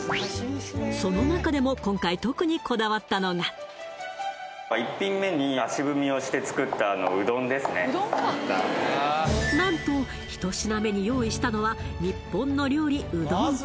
その中でも今回特にこだわったのが何と１品目に用意したのは日本の料理うどん